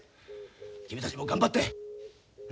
君たちも頑張って。